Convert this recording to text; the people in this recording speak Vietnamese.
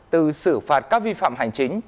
từ xử phạt các vi phạm hành chính